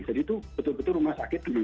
jadi itu betul betul rumah sakit